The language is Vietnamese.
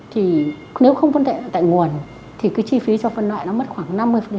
thì nếu không phân loại tại nguồn thì cái chi phí cho phân loại nó mất khoảng năm mươi sáu mươi